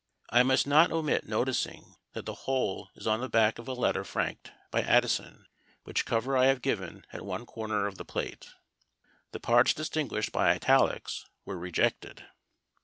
I must not omit noticing, that the whole is on the back of a letter franked by Addison; which cover I have given at one corner of the plate. The parts distinguished by Italics were rejected.